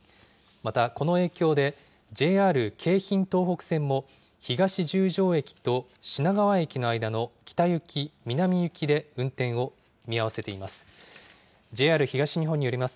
またこの影響で、ＪＲ京浜東北線も、東十条駅と品川駅の間の北行き南行きで運転を見合わせています。